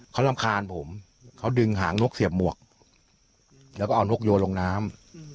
เขารำคาญผมเขาดึงหางนกเสียบหมวกแล้วก็เอานกโยนลงน้ำ